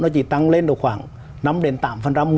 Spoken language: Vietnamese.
thì tăng lên được khoảng năm đến tám phần trăm